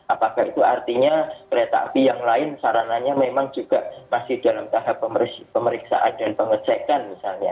apakah itu artinya kereta api yang lain sarananya memang juga masih dalam tahap pemeriksaan dan pengecekan misalnya